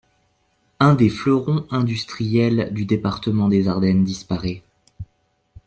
Un des fleurons industriels du département des Ardennes disparaît.